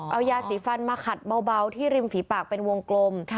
เอายาสีฟันมาขัดเบาที่ริมฝีปากเป็นวงกลม